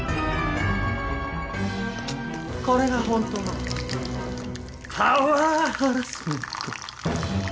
これが本当のパワーハラスメント。